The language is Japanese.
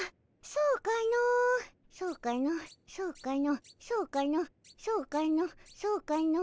そうかのそうかのそうかのそうかのそうかの。